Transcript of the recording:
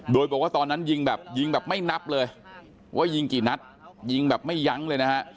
โดยบอกว่าตอนนั้นยิงแบบยิงแบบไม่นับเลยว่ายิงกี่นัดยิงแบบไม่ยั้งเลยนะฮะ